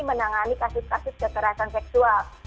menangani kasus kasus kekerasan seksual